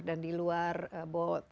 dan di luar jawa